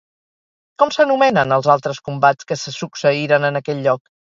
Com s'anomenen els altres combats que se succeïren en aquell lloc?